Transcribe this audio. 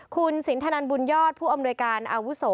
คุณสินทนันบุญยอดผู้อำนวยการอาวุโส